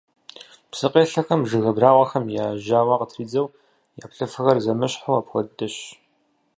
Псыкъелъэхэм жыг абрагъуэхэм я жьауэ къытридзэу, я плъыфэхэр зэмыщхьу апхуэдэщ.